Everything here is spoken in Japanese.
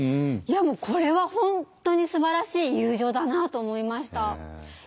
いやこれは本当にすばらしい友情だなと思いました。